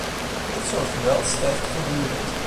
Dit soort geweld stijgt voortdurend.